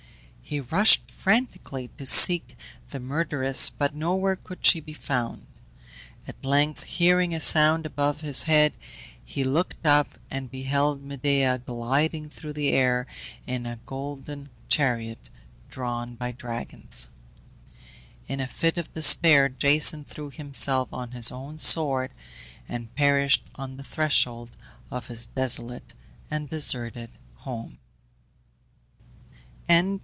He rushed frantically to seek the murderess, but nowhere could she be found. At length, hearing a sound above his head, he looked up, and beheld Medea gliding through the air in a golden chariot drawn by dragons. In a fit of despair Jason threw himself on his own sword, and perished on the threshold of his desolate and deserted home.